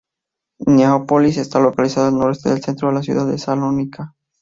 Neápolis está localizado al noroeste del centro de la ciudad de Salónica.